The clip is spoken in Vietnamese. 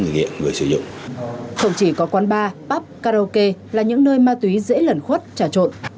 không chỉ có quán bar pub karaoke là những nơi ma túy dễ lẩn khuất trà trộn